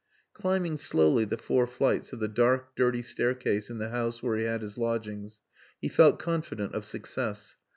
Climbing slowly the four flights of the dark, dirty staircase in the house where he had his lodgings, he felt confident of success.